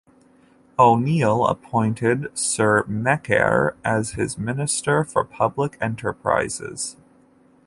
O'Neill appointed Sir Mekere as his Minister for Public Enterprises.